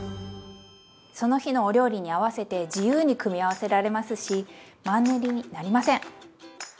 その日のお料理に合わせて自由に組み合わせられますしマンネリになりません！